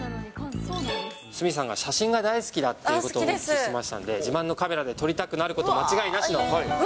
鷲見さんが写真が大好きだっていうことをお聞きしましたので、自慢のカメラで撮りたくなることうわぁ。